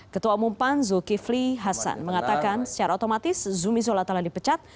ketua umum pan zulkifli hasan mengatakan secara otomatis zumi zola telah dipecat